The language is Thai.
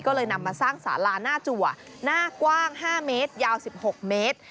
ก็เลยนำมาสร้างสาราหน้าจัวหน้ากว้าง๕เมตรยาว๑๖เมตร